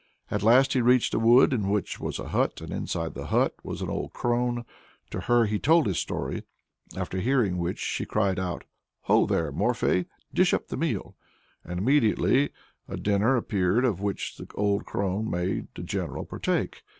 At last he reached a wood in which was a hut, and inside the hut was an old crone. To her he told his story, after hearing which, she cried out, "Ho, there! Morfei, dish up the meal!" and immediately a dinner appeared of which the old crone made the general partake.